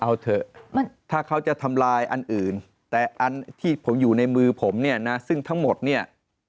เอาเถอะถ้าเขาจะทำลายอันอื่นแต่อันที่ผมอยู่ในมือผมเนี่ยนะซึ่งทั้งหมดเนี่ย